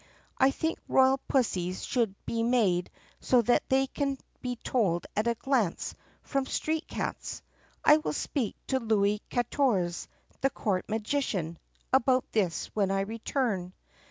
I think royal pussies should be made so that they can be told at a glance from street cats. I will speak to Louis Katorze, the court magician, about this when I return."